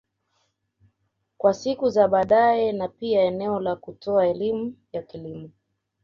Kwa siku za badae na pia eneo la kutoa elimu ya kilimo